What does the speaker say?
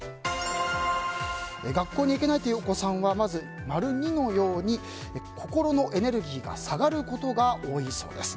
学校に行けないというお子さんは２のように心のエネルギーが下がることが多いそうです。